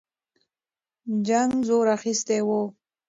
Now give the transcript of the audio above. جنګ زور اخیستی وو.